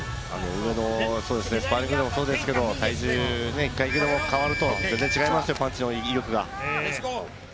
スパーリングでもそうですけど、体重１階級でも変わると全然違いますよ、パンチの威力が。